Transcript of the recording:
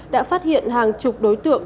đã phát hiện hàng chục đối tượng